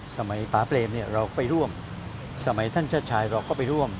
สมัยป๊าเปรตเราไปร่วมสมัยท่านชาติชายเราก็ไปร่วม